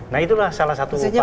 nah itulah salah satu